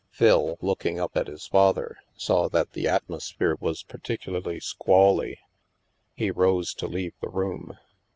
Phil, looking up at his father, saw that the atmos 84 THE MASK phere was particularly squally. He rose to leave the room.